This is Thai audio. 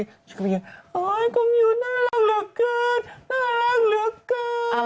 โอ้โหคงอยู่น่ารักเหลือเกินน่ารักเหลือเกิน